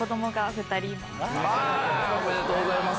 おめでとうございます